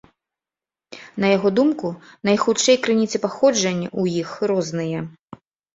На яго думку, найхутчэй крыніцы паходжання ў іх розныя.